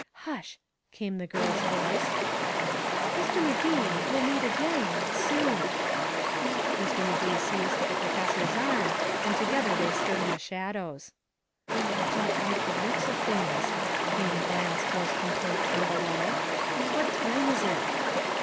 "Hush," came the girl's voice. "Mr. Magee we'll meet again soon." Mr. Magee seized the professor's arm, and together they stood in the shadows. "I don't like the looks of things," came Bland's hoarse complaint from below. "What time is it?"